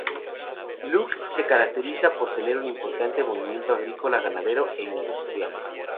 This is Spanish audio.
Luque se caracteriza por un importante movimiento agrícola-ganadero e industrial.